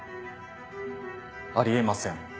あり得ません。